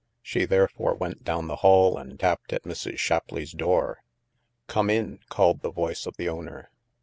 She therefore went down the hall and tapped at Mrs. Shapleigh's door. " Come in," called the voice of the owner.